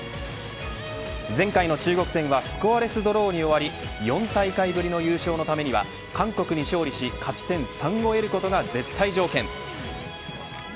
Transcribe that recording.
前回の中国戦はスコアレスドローに終わり４大会ぶりの優勝のためには韓国に勝利し勝ち点３を得ることが絶対条件。